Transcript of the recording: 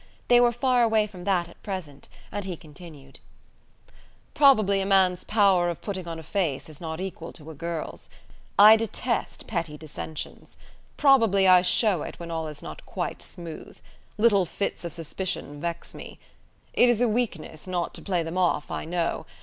They were far away from that at present, and he continued: "Probably a man's power of putting on a face is not equal to a girl's. I detest petty dissensions. Probably I show it when all is not quite smooth. Little fits of suspicion vex me. It is a weakness, not to play them off, I know.